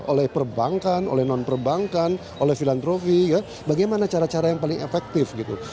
oleh perbankan oleh non perbankan oleh filantrofi ya bagaimana cara cara yang paling efektif gitu